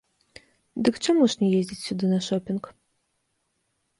Дык чаму ж не ездзіць сюды на шопінг?